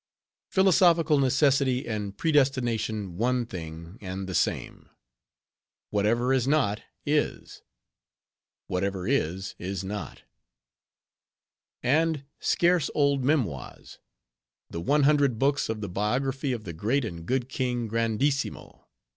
"Philosophical Necessity and Predestination One Thing and The Same." "Whatever is not, is." "Whatever is, is not." And scarce old memoirs:— "The One Hundred Books of the Biography of the Great and Good King Grandissimo."